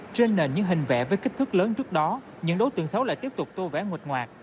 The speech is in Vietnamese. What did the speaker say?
trên nền những hình vẽ với kích thước lớn trước đó những đối tượng xấu lại tiếp tục tô vẽ ngột ngoạt